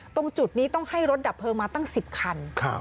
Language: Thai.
ตรงจุดนี้ต้องให้รถดับเพลิงมาตั้ง๑๐คัน